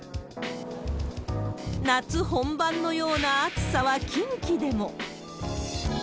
夏本番のような暑さは近畿でも。